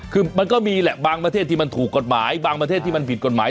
คือมันก็มีแหละบางประเทศที่มันถูกกฎหมายบางประเทศที่มันผิดกฎหมาย